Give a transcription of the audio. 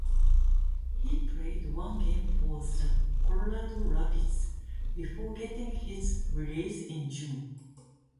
He played one game for the Colorado Rapids, before getting his release in June.